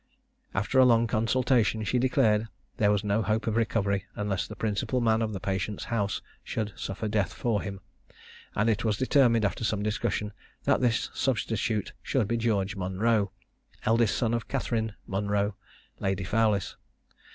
After a long consultation, she declared there was no hope of recovery, unless the principal man of the patient's house should suffer death for him; and it was determined, after some discussion, that this substitute should be George Monro, eldest son of Catharine Monro, Lady Fowlis.